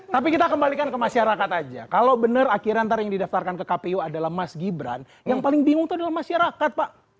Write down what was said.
tapi kita kembalikan ke masyarakat aja kalau bener akhir antara yang didaftarkan ke kpu adalah mas gibran yang paling bingung itu adalah masyarakat pak